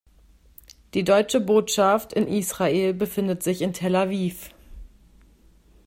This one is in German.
Die Deutsche Botschaft in Israel befindet sich in Tel Aviv.